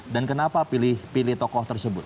dan kenapa pilih tokoh tersebut